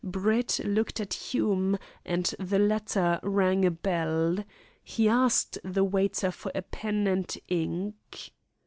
Brett looked at Hume, and the latter rang a bell. He asked the waiter for a pen and ink.